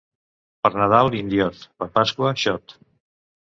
Per Nadal, indiot; per Pasqua, xot.